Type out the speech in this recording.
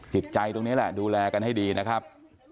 จิตใจตรงนี้แหละดูแลกันให้ดีนะครับ